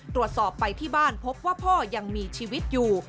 ตรวจสอบไปที่บ้านพบว่าพ่อยังมีชีวิตอยู่